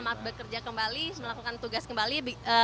selamat bekerja kembali melakukan tugas kembali